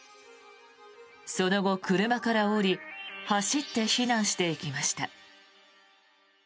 その後、車から降り走って避難していきました。